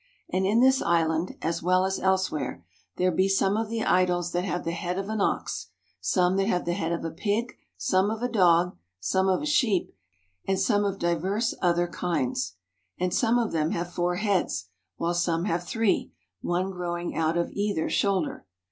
And in this island, as well as elsewhere, there be some of the idols that have the head of an ox, some that have the head of a pig, some of a dog, some of a sheep, and some of divers other kinds. And some of them have four heads, while some have three, one growing out of either shoulder.